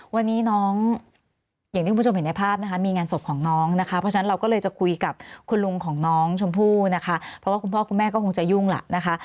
วันนี้น้องอย่างที่คุณผู้ชมเห็นในภาพนะคะมีงานศพของน้องนะคะเพราะฉะนั้นเราก็เลยจะคุยกับคุณลุงของน้องชมพู่นะคะเพราะว่าคุณพ่อคุณแม่ก็คงจะยุ่งล่ะนะคะ